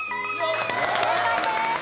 正解です。